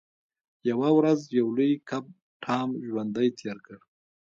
یوه ورځ یو لوی کب ټام ژوندی تیر کړ.